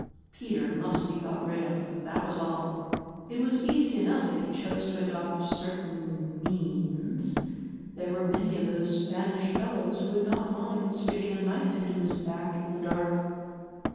—Peter must be got rid of, that was all. It was easy enough if he chose to adopt certain means; there were many of those Spanish fellows who would not mind sticking a knife into his back in the dark.